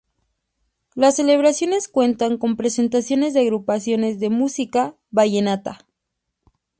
Las celebraciones cuentan con presentaciones de agrupaciones de música vallenata.